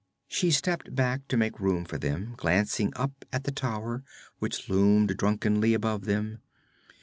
She stepped back to make room for them, glancing up at the tower which loomed drunkenly above them.